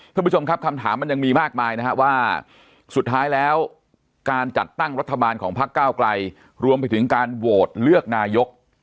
คุณผู้ชมครับคำถามมันยังมีมากมายนะฮะว่าสุดท้ายแล้วการจัดตั้งรัฐบาลของพักเก้าไกลรวมไปถึงการโหวตเลือกนายก